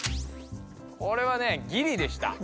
これはねギリでした。